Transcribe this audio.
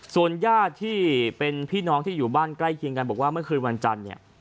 ส่วนญาติที่เป็นพี่น้องที่อยู่บ้านใกล้เคียงกันบอกว่าเมื่อคืนวันจันทร์เนี่ย